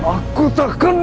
aku takkan berhenti